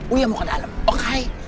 uia mau ke dalem okay